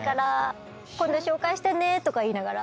今度紹介してねとか言いながら。